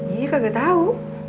iya kagak tau